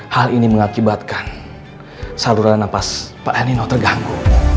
hal ini mengakibatkan saluran nafas pak elinor terganggu